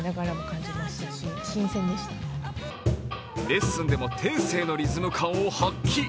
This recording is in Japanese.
レッスンでも天性のリズム感を発揮。